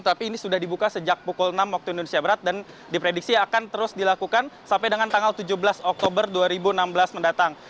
tapi ini sudah dibuka sejak pukul enam waktu indonesia berat dan diprediksi akan terus dilakukan sampai dengan tanggal tujuh belas oktober dua ribu enam belas mendatang